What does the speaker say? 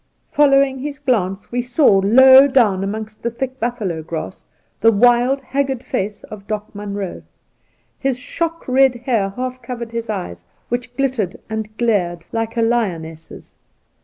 Following his glance, we saw, low down amongst the thick buflfalo grass, the wild, haggard face of Doc Munroe. His shock red hair half covered his eyes, which glittered and glared like a lioness's.